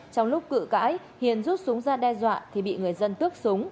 trong lúc cự cãi hiền rút súng ra đe dọa thì bị người dân tước súng